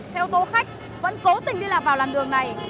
xe ô tô khách vẫn cố tình đi lạc vào làn đường này